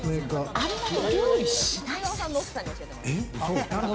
あんまり料理しない説。